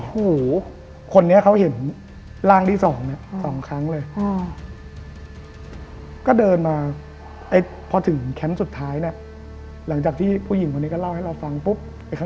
หูคนนี้เขาเห็นร่างที่สองเนี่ยสองครั้งเลยก็เดินมาพอถึงแคมป์สุดท้ายเนี่ยหลังจากที่ผู้หญิงคนนี้ก็เล่าให้เราฟังปุ๊บ